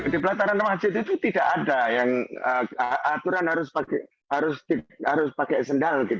di pelataran masjid itu tidak ada yang aturan harus pakai sendal